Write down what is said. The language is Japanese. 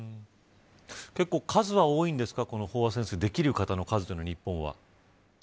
結構、数は多いんですか飽和潜水できる方の人数というのは、日本は。